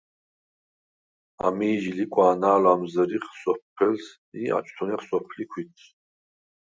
ამი̄ ჟი ლიკვა̄ნა̄ლვ ა̈მზჷრიხ სოფელს ი აჭთუნეხ სოფლი ქვითს.